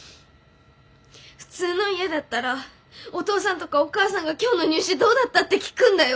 普通の家だったらお父さんとかお母さんが今日の入試どうだったって聞くんだよ！